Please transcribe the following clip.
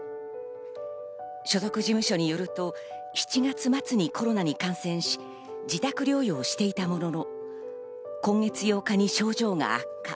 所属事務所によると７月末にコロナに感染し、自宅療養していたものの、今月８日に症状が悪化。